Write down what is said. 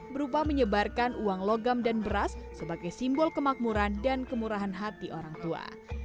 berupa menyebarkan uang logam dan beras sebagai simbol kemakmuran dan kemurahan hati orang tua